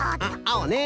あおね。